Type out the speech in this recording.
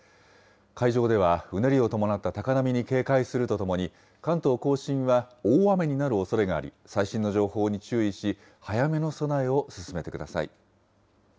海上ではうねりを伴った高波に警戒するとともに、関東甲信は大雨になるおそれがあり、最新の情報に注意し、早めの備えを進めてください。